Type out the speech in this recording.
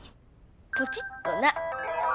ポチッとな。